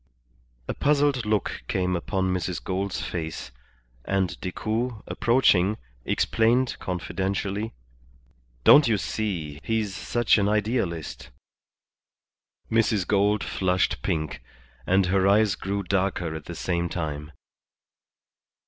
A puzzled look came upon Mrs. Gould's face, and Decoud, approaching, explained confidentially "Don't you see, he's such an idealist." Mrs. Gould flushed pink, and her eyes grew darker at the same time.